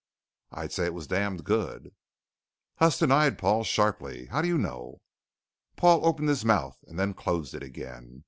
"I'd say it was damned good." Huston eyed Paul sharply. "How do you know?" Paul opened his mouth and then closed it again.